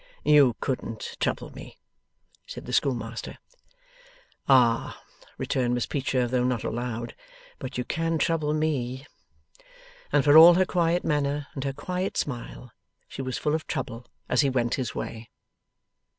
'You couldn't trouble me,' said the schoolmaster. 'Ah!' returned Miss Peecher, though not aloud; 'but you can trouble ME!' And for all her quiet manner, and her quiet smile, she was full of trouble as he went his way.